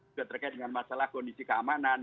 sudah terkait dengan masalah kondisi keamanan